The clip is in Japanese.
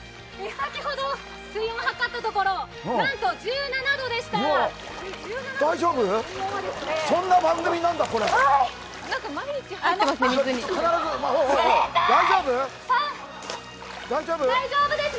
先ほど水温測ったところ、なんと１７度でした。